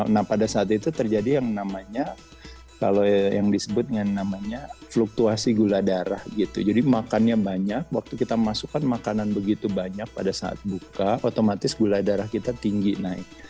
nah pada saat itu terjadi yang namanya kalau yang disebut dengan namanya fluktuasi gula darah gitu jadi makannya banyak waktu kita masukkan makanan begitu banyak pada saat buka otomatis gula darah kita tinggi naik